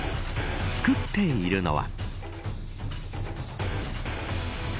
作っているのは。